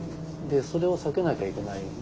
それを避けなきゃいけない。